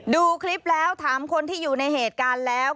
ดูคลิปแล้วถามคนที่อยู่ในเหตุการณ์แล้ว